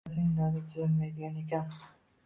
Otasining dardi tuzalmaydigan ekan